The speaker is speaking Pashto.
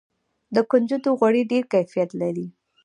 د کنجدو غوړي ډیر کیفیت لري.